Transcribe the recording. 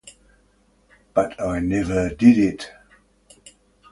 But I never did it.